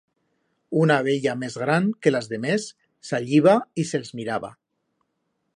Una abella mes gran que las demés salliba y se'ls miraba.